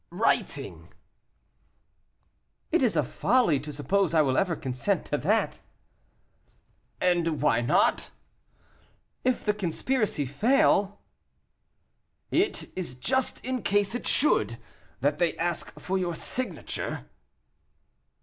"Writing." "It is a folly to suppose I will ever consent to that." "And why not?" "If the conspiracy fail " "It is just in case it should, that they ask for your signature."